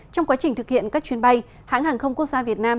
trong quá trình thực hiện các chuyến bay hãng hàng không quốc gia việt nam